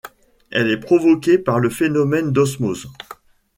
Elle est provoquée par le phénomène d'osmose.